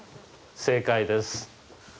正解です。